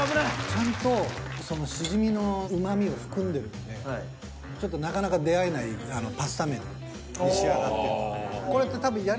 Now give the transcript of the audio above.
ちゃんとシジミのうまみを含んでるのでちょっとなかなか出会えないパスタ麺に仕上がってる。